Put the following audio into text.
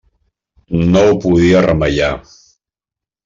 No ho podia remeiar.